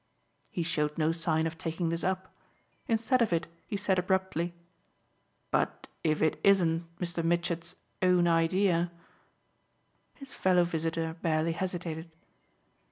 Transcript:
He showed no sign of taking this up; instead of it he said abruptly: "But if it isn't Mr. Mitchett's own idea?" His fellow visitor barely hesitated.